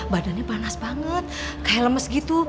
badannya panas banget kayak lemes gitu